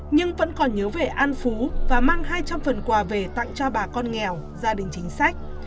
nhưng vẫn còn nhớ về an phú và mang hai trăm linh phần quà về tặng cho bà con nghèo gia đình chính sách